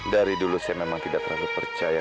dari dulu saya memang tidak terlalu percaya